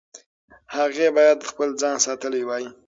هغې باید خپل ځان ساتلی وای.